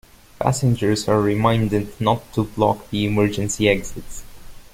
Passengers are reminded not to block the emergency exits.